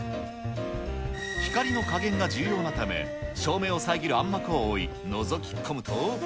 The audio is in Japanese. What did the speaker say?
光の加減が重要なため、照明を遮る暗幕で覆い、のぞき込むと。